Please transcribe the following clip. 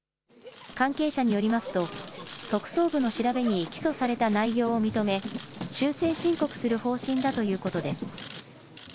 関係者によりますと、特捜部の調べに起訴された内容を認め、修正申告する方針だということです。